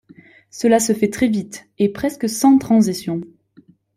Cela se fait très vite, et presque sans transition.